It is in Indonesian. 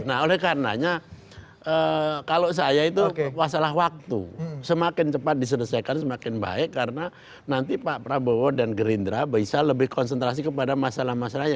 nah oleh karenanya kalau saya itu masalah waktu semakin cepat diselesaikan semakin baik karena nanti pak prabowo dan gerindra bisa lebih konsentrasi kepada masalah masalahnya